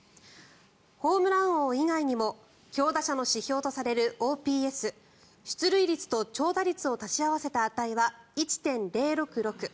ホームラン王以外にも強打者の指標とされるＯＰＳ出塁率と長打率を足し合わせた値は１．０６６。